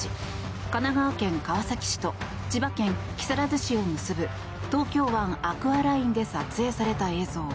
神奈川県川崎市と千葉県木更津市を結ぶ東京湾アクアラインで撮影された映像。